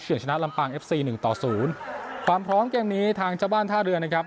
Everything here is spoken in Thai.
ชนะลำปางเอฟซีหนึ่งต่อศูนย์ความพร้อมเกมนี้ทางเจ้าบ้านท่าเรือนะครับ